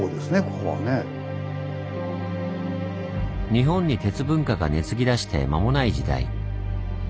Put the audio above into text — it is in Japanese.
日本に鉄文化が根づきだして間もない時代。